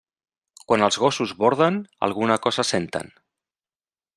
Quan els gossos borden alguna cosa senten.